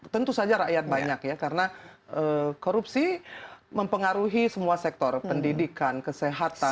tentu saja rakyat banyak ya karena korupsi mempengaruhi semua sektor pendidikan kesehatan